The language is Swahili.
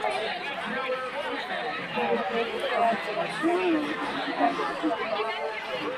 virutubishi vilivyomo kwenye viazi lishe vinahitajika mwilini